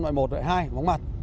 nội một nội hai móng mặt